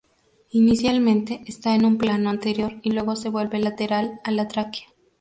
Inicialmente está en un plano anterior, y luego se vuelve lateral a la tráquea.